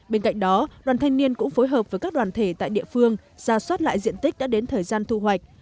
bên cạnh đó đoàn thanh niên cũng phối hợp với các đoàn thể tại địa phương ra soát lại diện tích đã đến thời gian thu hoạch